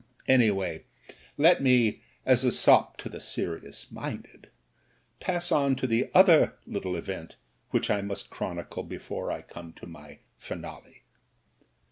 Anjrway, let me, as a sop to the serious minded, pass on to the other little event which I must chronicle be fore I come to my finale.